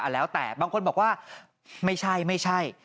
แล้วแต่บางคนบอกว่าไม่ใช่ไม่ใช่